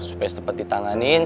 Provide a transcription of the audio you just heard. supaya setepat ditanganin